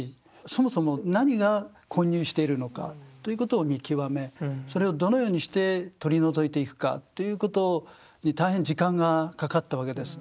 そもそも何が混入しているのかということを見極めそれをどのようにして取り除いていくかということに大変時間がかかったわけです。